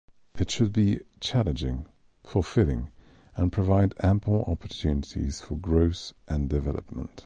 It should be challenging, fulfilling, and provide ample opportunities for growth and development.